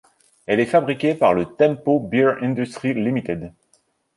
Elle est fabriquée par Tempo Beer Industries Ltd.